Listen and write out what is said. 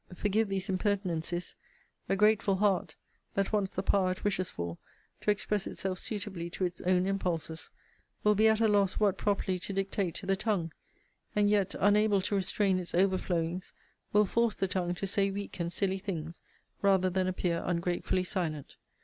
Forgive these impertinencies: a grateful heart, that wants the power it wishes for, to express itself suitably to its own impulses, will be at a loss what properly to dictate to the tongue; and yet, unable to restrain its overflowings, will force the tongue to say weak and silly things, rather than appear ungratefully silent.